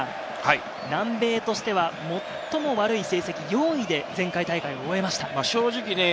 南米としては最も悪い成績４位で前回大会を終えました。